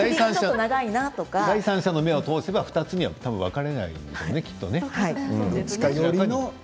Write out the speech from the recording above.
第三者の目を通せば２つには分かれないですね。